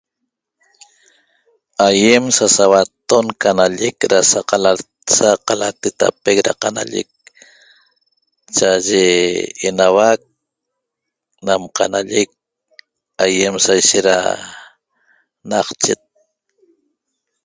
Ayem sasahuaton qanalleq Sa calatetape na qanalleq cha aye enahuaq nan qanallec ayem saishet da naq cheq